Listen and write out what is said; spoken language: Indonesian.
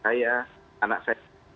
saya tidak ada paksaan